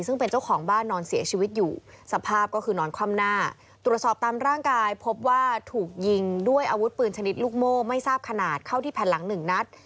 ซึ่งเป็นเจ้าของบ้านนอนเสียชีวิตอยู่สภาพก็คือนอนคว่ำหน้าตรวจสอบตามร่างกายพบว่าถูกยิงด้วยอาวุธปืนชนิดลูกโม่ไม่ทราบขนาดเข้าที่แผ่นหลังหนึ่งนัด